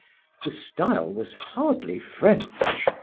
The style was hardly French.